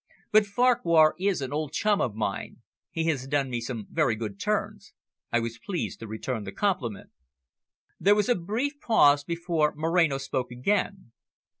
But Farquhar is an old chum of mine; he has done me some very good turns. I was pleased to return the compliment." There was a brief pause, before Moreno spoke again.